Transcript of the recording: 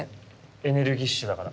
エネルギッシュだから。